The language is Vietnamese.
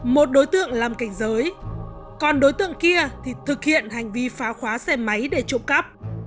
một đối tượng làm cảnh giới còn đối tượng kia thì thực hiện hành vi phá khóa xe máy để trộm cắp